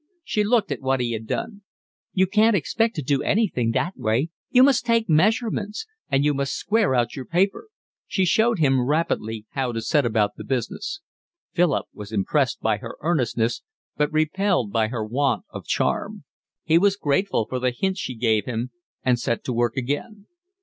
She looked at what he had done. "You can't expect to do anything that way. You must take measurements. And you must square out your paper." She showed him rapidly how to set about the business. Philip was impressed by her earnestness, but repelled by her want of charm. He was grateful for the hints she gave him and set to work again.